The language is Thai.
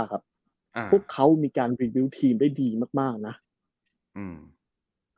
ครับอ่าเขามีการรีวิวทีมได้ดีมากนะอืม